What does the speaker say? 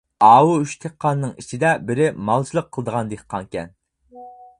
ئاۋۇ ئۈچ دېھقاننىڭ ئىچىدە بىرى مالچىلىق قىلىدىغان دېھقانكەن.